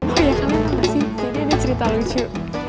oh ya kalian tau gak sih jadi ada cerita lucu